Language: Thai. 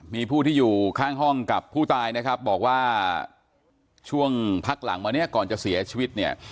มีผู้ที่อยู่ข้างห้องกับผู้ตายนะครับบอกว่าช่วงพักหลังมาเนี่ยก่อนจะเสียชีวิตเนี่ย